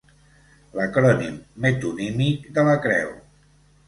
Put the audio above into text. L'acrònim metonímic de la creu.